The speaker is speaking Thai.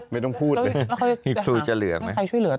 ไม่ต้องพูดเลยมีคุณจะเหลือไหมครับแล้วใครช่วยเหลือต่อ